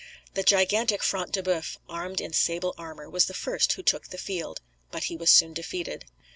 The gigantic Front de Boeuf, armed in sable armour, was the first who took the field. But he was soon defeated.